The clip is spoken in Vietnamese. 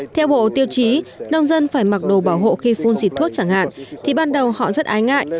theo bộ tiêu chí nông dân phải mặc đồ bảo hộ khi phun xịt thuốc chẳng hạn thì ban đầu họ rất ái ngại